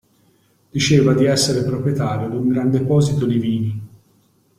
Diceva di essere proprietario d'un gran deposito di vini.